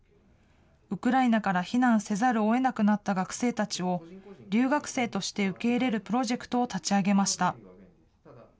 ウクライナから避難せざるをえなくなった学生たちを、留学生として受け入れるプロジェクトを立ち上げました。